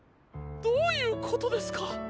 どういうことですか？